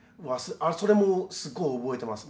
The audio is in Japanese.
それもすごい覚えてます。